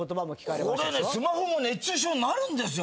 スマホも熱中症になるんですよ。